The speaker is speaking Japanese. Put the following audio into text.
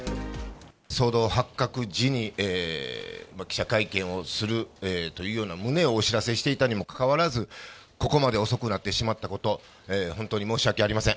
騒動発覚時に、記者会見をするというような旨をお知らせしていたにもかかわらず、ここまで遅くなってしまったこと、本当に申し訳ありません。